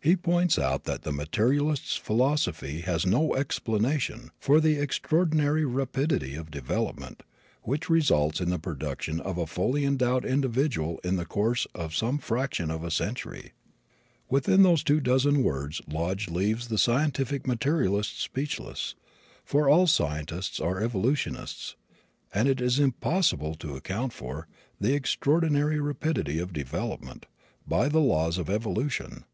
He points out that the materialist's philosophy has no explanation for "the extraordinary rapidity of development, which results in the production of a fully endowed individual in the course of some fraction of a century."[K] With those two dozen words Lodge leaves the scientific materialist speechless; for all scientists are evolutionists, and it is impossible to account for "the extraordinary rapidity of development" by the laws of evolution.